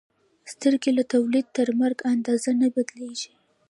سترګې له تولد تر مرګ اندازه نه بدلېږي.